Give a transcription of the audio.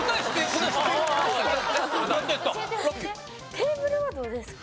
テーブルはどうですか？